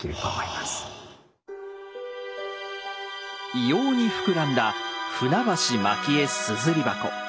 異様に膨らんだ「舟橋蒔絵硯箱」。